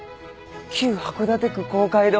旧函館区公会堂。